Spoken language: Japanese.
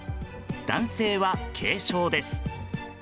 男性は軽傷です。